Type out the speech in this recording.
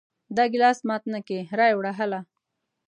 دا ګلاس مات نه کې را یې وړه هله!